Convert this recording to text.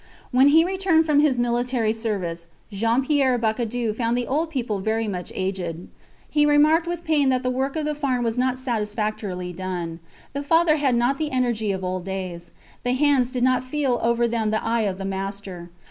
When he returned from his military service Jean Pierre Bacadou found the old people very much aged. He remarked with pain that the work of the farm was not satisfactorily done. The father had not the energy of old days. The hands did not feel over them the eye of the master.